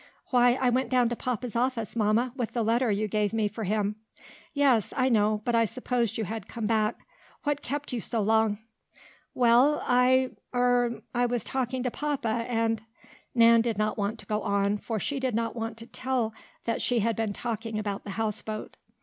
"Why, I went down to papa's office, Mamma, with that letter you gave me for him." "Yes, I know, but I supposed you had come back. What kept you so long?" "Well, I er I was talking to papa, and " Nan did not want to go on, for she did not want to tell that she had been talking about the houseboat. Mr.